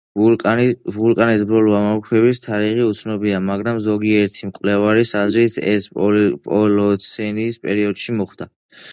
ვულკანის ბოლო ამოფრქვევის თარიღი უცნობია, მაგრამ ზოგიერთი მკვლევარის აზრით, ეს ჰოლოცენის პერიოდში მოხდა.